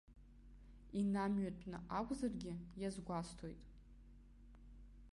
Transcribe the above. Инамҩатәны акәзаргьы, иазгәасҭоит.